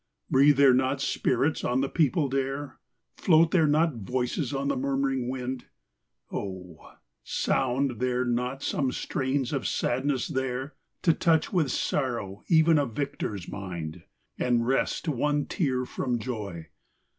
XXVIII. Breathe there not spirits on the peopled air ? Float there not voices on the murmuring wind ? Oh ! sound there not some strains of sadness there, To touch with sorrow even a victor's mind. And wrest one tear from joy